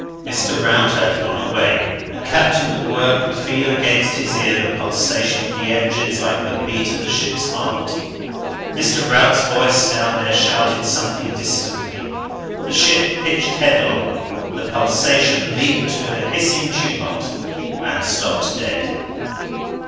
... Mr. Rout had gone away, and Captain MacWhirr could feel against his ear the pulsation of the engines, like the beat of the ship's heart. Mr. Rout's voice down there shouted something distantly. The ship pitched headlong, the pulsation leaped with a hissing tumult, and stopped dead.